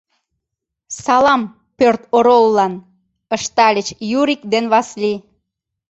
— Салам пӧрт ороллан, — ыштальыч Юрик ден Васлий.